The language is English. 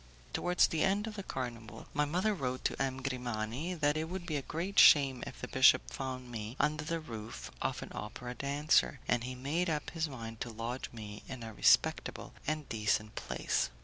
Towards the end of the carnival, my mother wrote to M. Grimani that it would be a great shame if the bishop found me under the roof of an opera dancer, and he made up his mind to lodge me in a respectable and decent place.